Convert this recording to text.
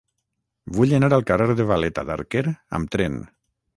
Vull anar al carrer de Valeta d'Arquer amb tren.